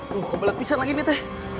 tuh komplet pisan lagi nih teh